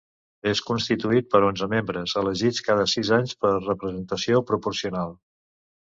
És constituït per onze membres, elegits cada sis anys per representació proporcional.